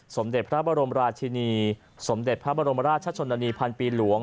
สมเด็จพระบรมราชินีสมเด็จพระบรมราชชนนานีพันปีหลวง